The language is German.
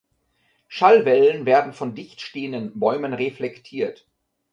Schallwellen werden von dichtstehenden Bäumen reflektiert.